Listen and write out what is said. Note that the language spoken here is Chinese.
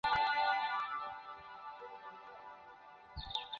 途中开始下雪了